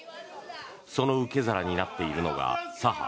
その受け皿になっているのが左派